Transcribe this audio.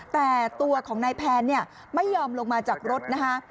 แต่ตัวของนายแพนไม่ยอมลงมาจากรถนะคะ